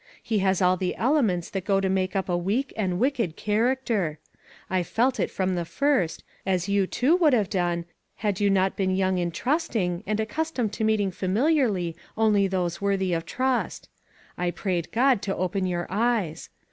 He has all the elements that go to make up a weak and wicked character. I felt it from the first, as you too would have done, had you not been young and trusting, and PLEDGES. 409 accustomed to meeting familiarly only those worthy of trust. I prayed God to open your eyes.